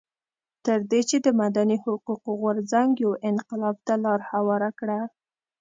تر دې چې د مدني حقونو غورځنګ یو انقلاب ته لار هواره کړه.